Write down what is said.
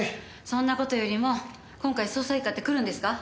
そんな事よりも今回捜査一課って来るんですか？